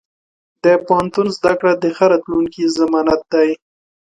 د پوهنتون زده کړه د ښه راتلونکي ضمانت دی.